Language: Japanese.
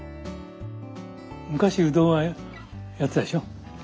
昔うどんはやってたでしょ。